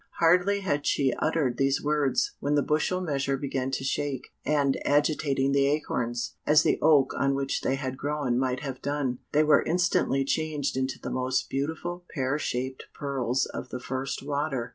Hardly had she uttered these words, when the bushel measure began to shake, and agitating the acorns, as the oak on which they had grown might have done, they were instantly changed into the most beautiful pear shaped pearls of the first water.